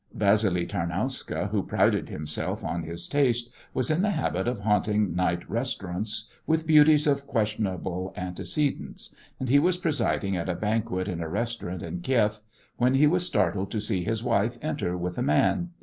Vassili Tarnowska, who prided himself on his taste, was in the habit of haunting night restaurants with beauties of questionable antecedents, and he was presiding at a banquet in a restaurant in Kieff when he was startled to see his wife enter with a man.